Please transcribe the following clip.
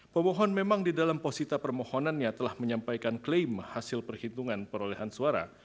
pemohon memang di dalam posisi permohonannya telah menyampaikan klaim hasil perhitungan perolehan suara